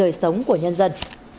và đời sống của nhân dân